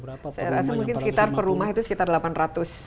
saya rasa mungkin sekitar per rumah itu sekitar delapan ratus